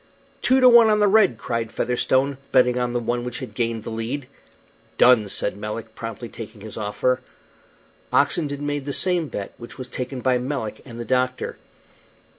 "Two to one on the red!" cried Featherstone, betting on the one which had gained the lead. "Done," said Melick, promptly taking his offer. Oxenden made the same bet, which was taken by Melick and the doctor.